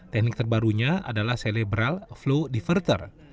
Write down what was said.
teknik terbarunya adalah cerebral flow diverter